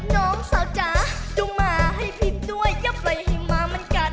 น้องสาวจ๋าจุงมาให้พิมพ์ด้วยอย่าไปให้มาเหมือนกัน